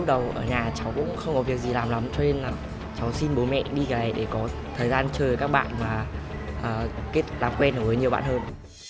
cháu ở nhà cháu cũng không có việc gì làm lắm cho nên là cháu xin bố mẹ đi cái này để có thời gian chơi với các bạn và làm quen với nhiều bạn hơn